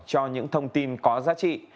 cho những thông tin có giá trị